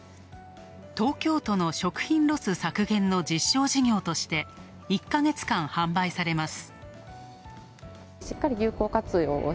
東京都の食品ロス削減の実証事業として、１ヶ月間、販売されます。